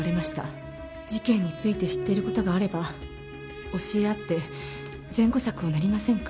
事件について知っている事があれば教え合って善後策を練りませんか？